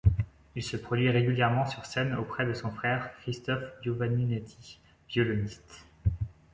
Il se produit régulièrement sur scène auprès de son frère Christophe Giovaninetti, violoniste.